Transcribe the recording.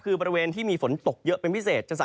คือบริเวณที่มีฝนตกเยอะเป็นพิเศษ